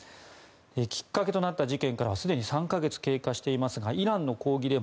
きっかけとなった事件からはすでに３か月が経過していますがイランの抗議デモ